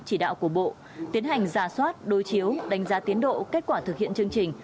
chỉ đạo của bộ tiến hành giả soát đối chiếu đánh giá tiến độ kết quả thực hiện chương trình